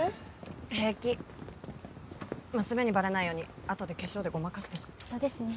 平気娘にバレないようにあとで化粧でごまかしとくそうですね